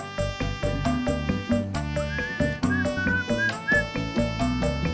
emang koq kamu brauch sesi